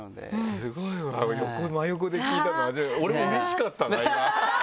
スゴいわ真横で聞いたの初めて俺もうれしかったな今。